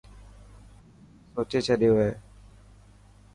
وڪي سوچي ڇڏيو هي.